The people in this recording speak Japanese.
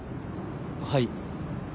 はい。